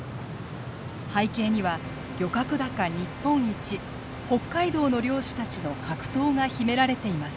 背景には漁獲高日本一北海道の漁師たちの格闘が秘められています。